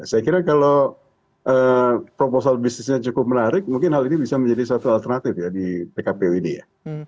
saya kira kalau proposal bisnisnya cukup menarik mungkin hal ini bisa menjadi satu alternatif ya di pkpu ini ya